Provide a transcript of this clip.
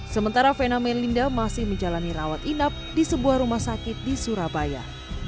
sementara fena melinda masih menjalani rawat inap di sebuah rumah sakit di surabaya